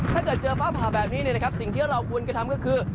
ถ้าเจอฟ้าผ่าแบบนี้เนี่ยนะครับสิ่งที่เราควรจะทำก็คือ